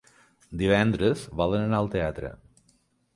Divendres volen anar al teatre.